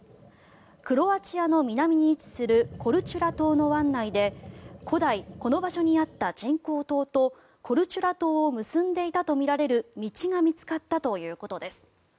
クロアチアの南に位置するコルチュラ島の湾内で古代この場所にあった人工島とコルチュラ島を結んでいたとみられる道が見つかったということです。